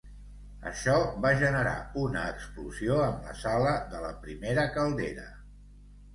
Això va generar una explosió en la sala de la primera caldera.